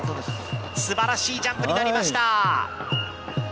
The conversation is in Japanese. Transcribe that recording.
すばらしいジャンプになりました。